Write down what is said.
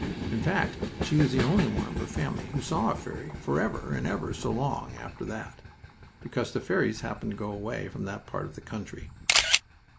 In fact she was the only one of her family who saw a fairy for ever and ever so long after that, because the fairies happened to go away from that part of the country.